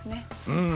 うん！